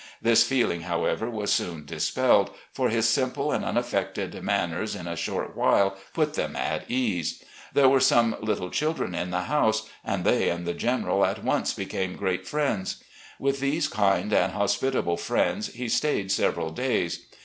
This feeling, however, was soon dispelled, for his simple and unaffected manners in a short while put them at ease. There were some little children in the house, and they and the General at once became great friends. With these kind and hospitable friends he stayed several days.